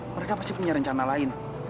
mereka pasti punya rencana lain